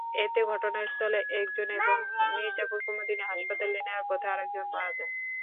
এতে ঘটনাস্থলে একজন এবং মির্জাপুর কুমুদিনী হাসপাতালে নেওয়ার পথে আরেকজন মারা যান।